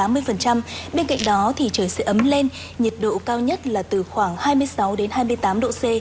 bên cạnh đó thì trời sẽ ấm lên nhiệt độ cao nhất là từ khoảng hai mươi sáu đến hai mươi tám độ c